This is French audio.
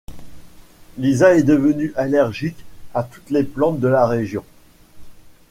Lisa est devenue allergique à toutes les plantes de la région.